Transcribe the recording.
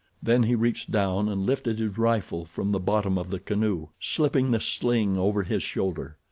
Then he reached down and lifted his rifle from the bottom of the canoe, slipping the sling over his shoulder.